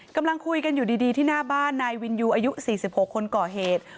กำลังคุยกันอยู่ดีที่หน้าบ้านนายวินยูอายุ๔๖คนก่อเหตุ